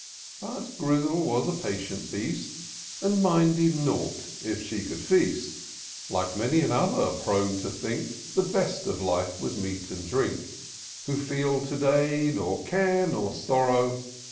But Grizzle was a patient beast, And minded nought if she could feast : Like many others, prone to think The best of life was meat and drink. Who feel to day nor care nor sorrow.